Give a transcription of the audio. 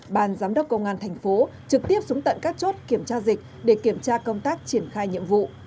bàn giám đốc công an thành phố trực tiếp xuống tận các chốt kiểm tra dịch để kiểm tra công tác triển khai nhiệm vụ